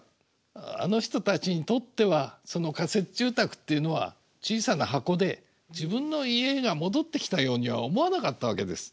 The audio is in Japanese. あの人たちにとっては仮設住宅っていうのは小さな箱で自分の家が戻ってきたようには思わなかったわけです。